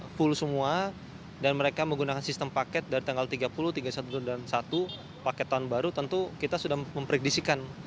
full semua dan mereka menggunakan sistem paket dari tanggal tiga puluh tiga dan satu paket tahun baru tentu kita sudah memprediksikan